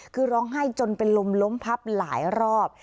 คือร้องไห้จนเป็นลมล้มพับหลายรอบ